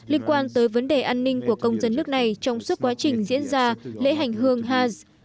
liên quan tới vấn đề an ninh của công dân nước này trong suốt quá trình diễn ra lễ hành hương hash